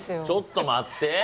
ちょっと待って。